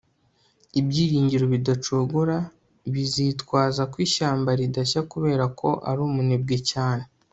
ibyiringiro bidacogora bizitwaza ko ishyamba ridashya kubera ko ari umunebwe cyane